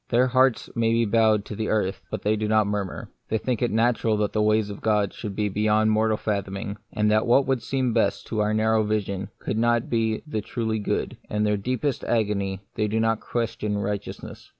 Their hearts may be bowed down to the earth, but they do not murmur ; they think it natural that the ways of God should be beyond mortal fathoming, and that what would seem best to our narrow vision could not be the truly good ; in their deepest agony, they do not question righteousness.